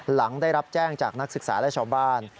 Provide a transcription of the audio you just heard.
หลังได้รับแจ้งจากนักศึกษาและชาวบ้าน